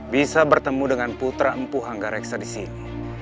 bisa bertemu dengan putra empu hanggareksa disini